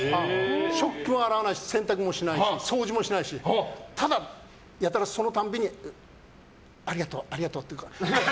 食器は洗わないし洗濯しないし、掃除もしないしただ、やたらその度にありがとう、ありがとうって。